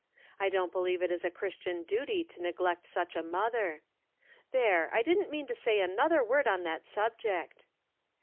I don't believe it is a Christian duty to neglect such a mother. There, I didn't mean to say another word on that subject